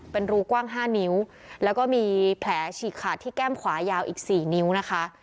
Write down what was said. เป็นรูกว้าง๕นิ้วแล้วก็มีแผลฉีกขาดที่แก้มขวายาวอีก๔นิ้วนะคะ